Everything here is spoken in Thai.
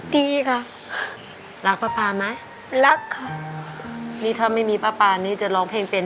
ดีค่ะรักป้าปาไหมรักค่ะนี่ถ้าไม่มีป้าปานนี้จะร้องเพลงเป็น